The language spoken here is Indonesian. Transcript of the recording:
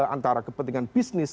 antara kepentingan bisnis